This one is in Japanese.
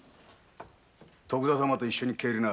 徳田様と一緒に帰りな。